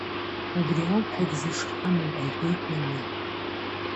Убри ауп шәагьзышҳаму, — иҳәеит Наҩеи.